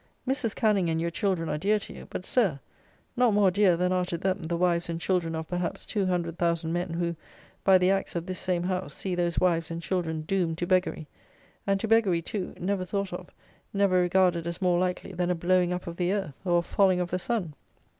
Mrs. Canning and your children are dear to you; but, Sir, not more dear than are to them the wives and children of, perhaps, two hundred thousand men, who, by the Acts of this same House, see those wives and children doomed to beggary, and to beggary, too, never thought of, never regarded as more likely than a blowing up of the earth or a falling of the sun.